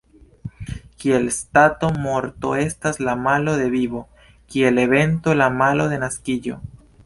Kiel stato, morto estas la malo de vivo; kiel evento, la malo de naskiĝo.